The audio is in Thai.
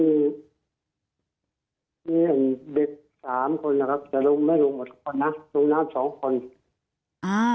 มีอันเด็กสามคนนะครับแต่ลงไม่ลงหมดคนนะลงน้ำสองคนอ่า